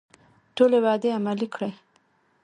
ټولې وعدې عملي کړي.